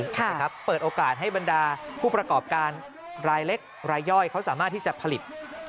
เปิดโอกาสให้บรรดาผู้ประกอบการรายเล็กรายย่อยเขาสามารถที่จะผลิต